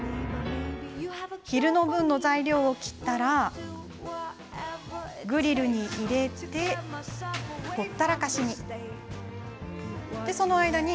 昼の分の材料を切ったらグリルに入れて、ほったらかしに。